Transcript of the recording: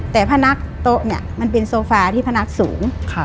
แต่พนักโต๊ะเนี่ยมันเป็นโซฟาที่พนักสูง